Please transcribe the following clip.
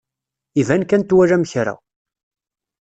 Iban kan twalam kra.